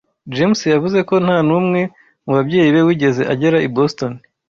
James yavuze ko nta n'umwe mu babyeyi be wigeze agera i Boston.